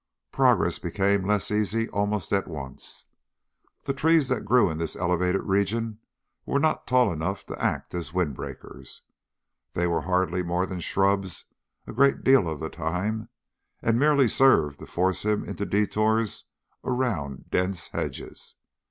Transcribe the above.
Progress became less easy almost at once. The trees that grew in this elevated region were not tall enough to act as wind breaks; they were hardly more than shrubs a great deal of the time, and merely served to force him into detours around dense hedges.